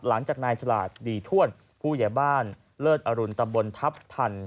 หลังจากนายฉลาดดีถ้วนผู้ใหญ่บ้านเลิศอรุณตำบลทัพทัน